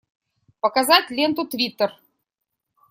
Показать ленту Твиттер!